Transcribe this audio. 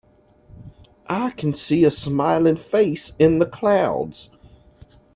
I can see a smiling face in the clouds.